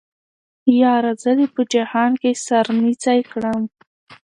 ياره زه دې په جهان کې سره نيڅۍ کړم